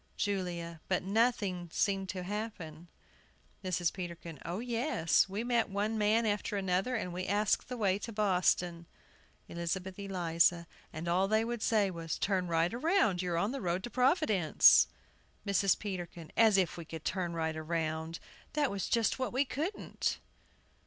JULIA. But nothing seemed to happen. MRS. PETERKIN. O yes; we met one man after another, and we asked the way to Boston. ELIZABETH ELIZA. And all they would say was, "Turn right round you are on the road to Providence." MRS. PETERKIN. As if we could turn right round! That was just what we couldn't.